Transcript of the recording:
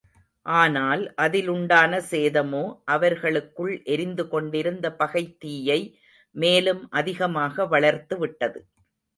ஆனால், அதில் உண்டான சேதமோ, அவர்களுக்குள் எரிந்து கொண்டிருந்த பகைத் தீயை மேலும் அதிகமாக வளர்த்து விட்டது.